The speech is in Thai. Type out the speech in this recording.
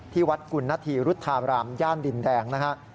ที่วัดกุณฑีรุธารามย่านดินแดงนะฮะ